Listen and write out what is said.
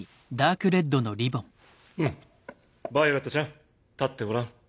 うんヴァイオレットちゃん立ってごらん。